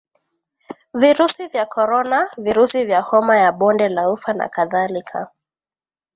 virusi vya Korona virusi vya Homa ya bonde la ufa na kadhalika